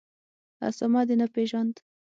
اسامه دي نه پېژاند